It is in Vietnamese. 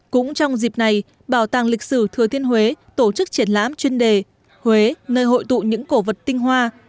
cũng trong dịp này bảo tàng lịch sử thừa thiên huế tổ chức triển lãm chuyên đề huế nơi hội tụ những cổ vật tinh hoa